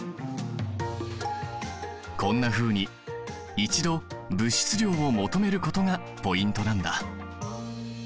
こんなふうに一度物質量を求めることがポイントなんだ！